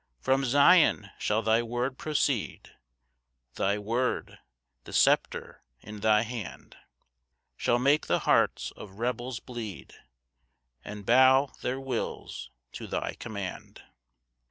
2 "From Zion shall thy word proceed, "Thy word, the sceptre in thy hand, "Shall make the hearts of rebels bleed, "And bow their wills to thy command.